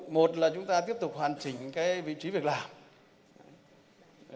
một là chúng ta tiếp tục hoàn chỉnh vị trí việc làm